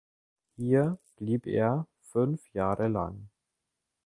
Hier blieb er fünf Jahre lang.